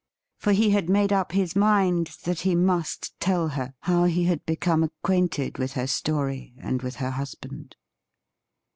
For he had made up his mind that he must tell her how he had become acquainted A\ith her story and with her husband.